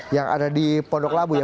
yang ada di pondok labu ya